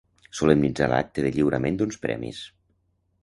Solemnitzar l'acte de lliurament d'uns premis.